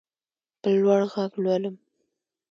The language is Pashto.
په لوړ غږ لولم.